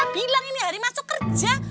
bilang ini hari masuk kerja